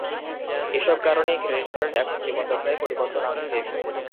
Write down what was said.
এসব কারণে credit card এখন জীবনযাত্রায় পরিবর্তন আনছে।